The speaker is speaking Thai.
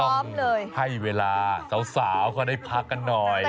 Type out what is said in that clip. ก็ต้องให้เวลาสาวก่อนให้พักกันหน่อย